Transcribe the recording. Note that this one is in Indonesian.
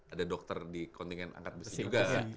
ada dokter di kontingen angkat besi juga kan